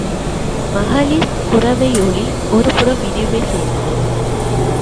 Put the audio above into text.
மகளிர் குரவையொலி ஒருபுறம் இனிமை செய்தது.